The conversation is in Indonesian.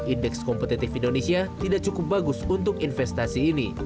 indeks kompetitif indonesia tidak cukup bagus untuk investasi ini